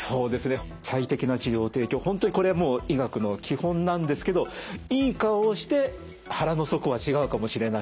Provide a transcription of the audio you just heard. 本当にこれは医学の基本なんですけどいい顔をして腹の底は違うかもしれないと。